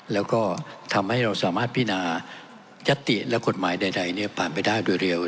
แล้วก็ทำให้เราสามารถพินายัตติและกฎหมายใดผ่านไปได้โดยเร็ว